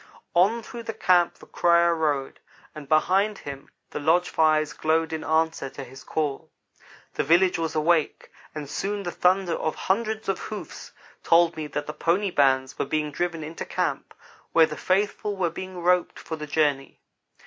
On through the camp the crier rode, and behind him the lodge fires glowed in answer to his call. The village was awake, and soon the thunder of hundreds of hoofs told me that the pony bands were being driven into camp, where the faithful were being roped for the journey.